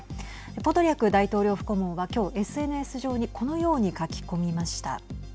ポドリャク大統領府顧問は、今日ＳＮＳ上にこのように書き込みました。